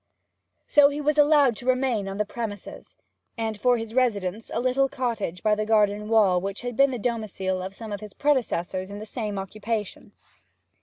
So he was allowed to remain on the premises, and had for his residence a little cottage by the garden wall which had been the domicile of some of his predecessors in the same occupation.